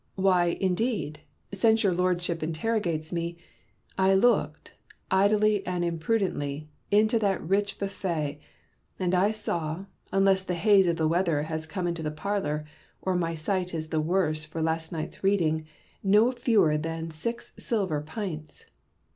Why, indeed, since your Lordship interrogates me — I looked, idly and imprudently, into that rich bufiet ; and I saw, unless the haze of the weather has come into the parlour, or my sight is the worse for last night's reading, no fewer than six silver pints.